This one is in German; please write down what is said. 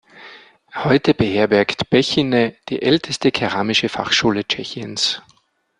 Heute beherbergt Bechyně die älteste keramische Fachschule Tschechiens.